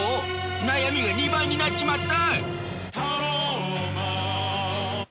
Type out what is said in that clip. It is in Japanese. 悩みが２倍になっちまった！